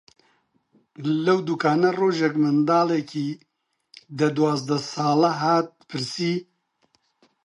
لەو دووکانە ڕۆژێک منداڵێکی دە-دوازدە ساڵە هات پرسی: